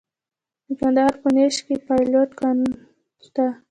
د کندهار په نیش کې د فلورایټ کان شته.